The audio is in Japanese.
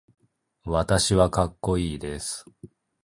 私はかっこいいです。